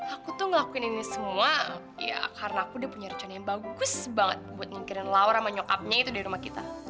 aku tuh ngelakuin ini semua ya karena aku udah punya rencana yang bagus banget buat mikirin lawan sama nyokapnya itu di rumah kita